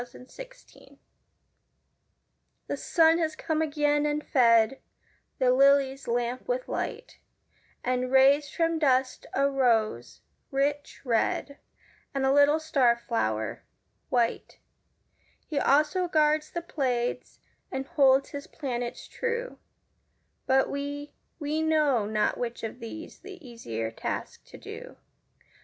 An Easter Hymn The Sun has come again and fed The lily's lamp with light, And raised from dust a rose, rich red, And a little star flower, white; He also guards the Pleiades And holds his planets true: But we we know not which of these The easier task to do.